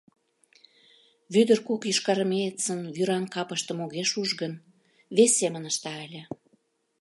Вӧдыр кок йошкарармеецын вӱран капыштым огеш уж гын, вес семын ышта ыле.